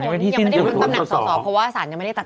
ตำแหน่งสอเพราะว่าศาลยังไม่ได้ตัด